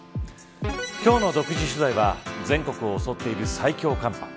今日の独自取材は全国を襲っている最強寒波。